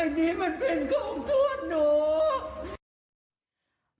อันนี้มันเป็นของตัวหนู